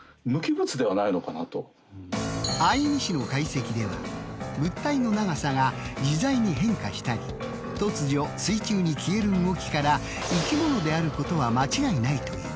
相見氏の解析では物体の長さが自在に変化したり突如水中に消える動きから生き物であることは間違いないという。